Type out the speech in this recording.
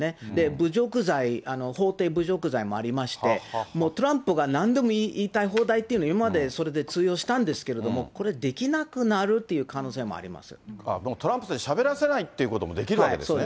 侮辱罪、ほうてい侮辱罪もありまして、もうトランプがなんでも言いたい放題っていうの、今までそれで通用したんですけれども、これ、できトランプさんにしゃべらせないっていうこともできるわけですね。